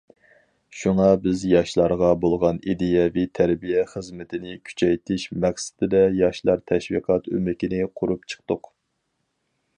شۇڭا بىز ياشلارغا بولغان ئىدىيەۋى تەربىيە خىزمىتىنى كۈچەيتىش مەقسىتىدە ياشلار تەشۋىقات ئۆمىكىنى قۇرۇپ چىقتۇق.